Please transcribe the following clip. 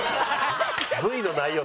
Ｖの内容